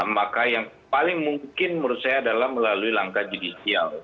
maka yang paling mungkin menurut saya adalah melalui langkah judicial